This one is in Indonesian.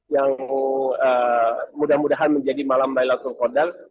yang mudah mudahan menjadi malam laylatul qadar